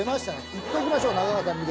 行っときましょう。